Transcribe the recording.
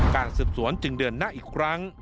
การสืบสวนจึงเดินหน้าอีกครั้ง